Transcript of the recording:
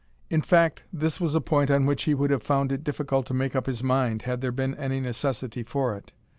In fact, this was a point on which he would have found it difficult to make up his mind, had there been any necessity for it.